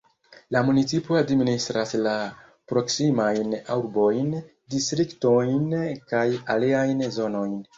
La municipo administras la proksimajn urbojn, distriktojn kaj aliajn zonojn.